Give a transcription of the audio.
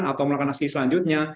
atau melakukan aksi selanjutnya